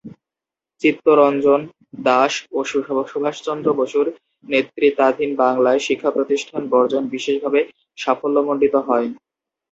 চিত্তরঞ্জন দাশ ও সুভাষচন্দ্র বসুর নেতৃত্বাধীনে বাংলায় শিক্ষা-প্রতিষ্ঠান বর্জন বিশেষভাবে সাফল্যমন্ডিত হয়।